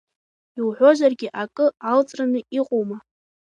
Иуҳәозаргьы акы алҵраны иҟоума.